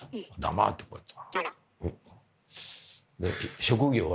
黙ってこうやって。